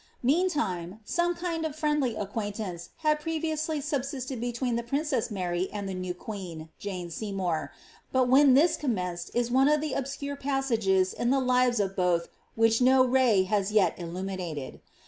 Meantime, some kind of friendly acquaintance had previou^^ly sub sisted between the princess Mary and the new queen, Jane Seymour, but when this commenced is one of the obscure passages in the lives of both which no ray has as yet illuminated.